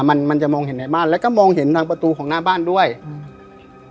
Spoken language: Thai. มันมันจะมองเห็นในบ้านแล้วก็มองเห็นทางประตูของหน้าบ้านด้วยอืม